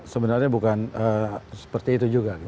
sebenarnya bukan seperti itu juga